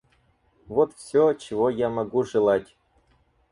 Вот всё, чего я могу желать.